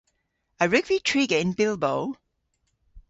A wrug vy triga yn Bilbo?